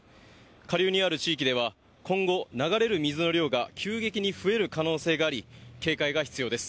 下流にある地域では今後、流れる水の量が急激に増える可能性があり、警戒が必要です。